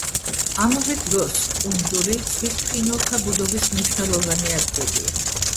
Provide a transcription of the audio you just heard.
ამავე დროს, კუნძული ზღვის ფრინველთა ბუდობის მნიშვნელოვანი ადგილია.